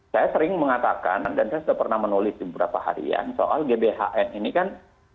saya sering mengatakan dan saya sudah pernah menulis beberapa harian soal gbhn ini kan